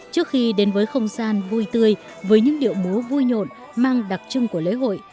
trước khi đến với không gian vui tươi với những điệu múa vui nhộn mang đặc trưng của lễ hội